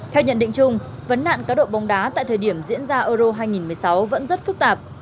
theo nhận định chung vấn nạn cá độ bóng đá tại thời điểm diễn ra euro hai nghìn một mươi sáu vẫn rất phức tạp